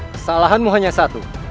kesalahanmu hanya satu